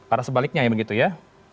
arah sebaliknya ya begitu ya